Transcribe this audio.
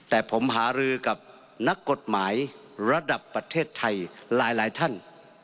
แต่ผมหารือกับนักกฎหมายระดับประเทศไทยหลายท่าน